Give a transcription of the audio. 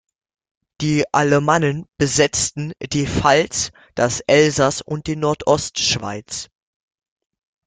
Die Alamannen besetzten die Pfalz, das Elsass und die Nordostschweiz.